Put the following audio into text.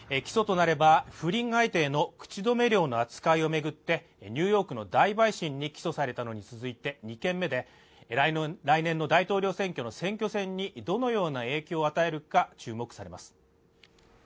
起訴となれば、不倫相手への口止め料の扱いを巡って、ニューヨークの大陪審に起訴されたのに続いて２件目で、来年の大統領選挙の選挙戦にどのような影響を与えるか注目されます。